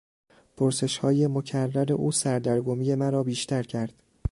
پرسشهای مکرر او سردرگمی مرا بیشتر کرد.